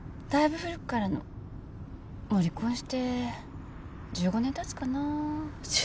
だいぶ古くからのもう離婚して１５年たつかな